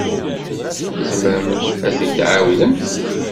Tzemremt ad t-id-tɛawdemt?